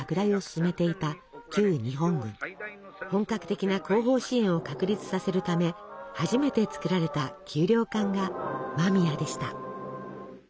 本格的な後方支援を確立させるため初めて作られた給糧艦が間宮でした。